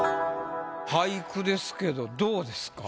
俳句ですけどどうですか？